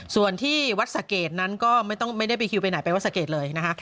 ส่วนที่วัดสะเกดนั้นก็ไม่ได้ไปคิวไปไหนไปวัดสะเกดเลยนะคะ